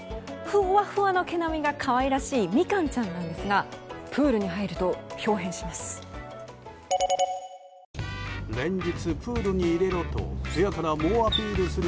ふわふわの毛並みが可愛らしいみかんちゃんなんですがプールに入ると豹変します。